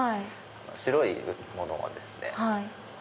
白いものはですね。